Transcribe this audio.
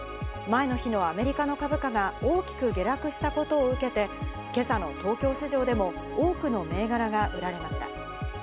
前の日のアメリカの株価が大きく下落したことを受けて、今朝の東京市場でも多くの銘柄が売られました。